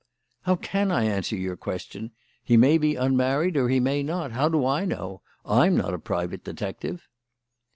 "How can I answer your question? He may be unmarried or he may not. How do I know? I'm not a private detective."